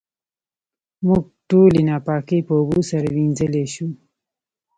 موږ ټولې ناپاکۍ په اوبو سره وېنځلی شو.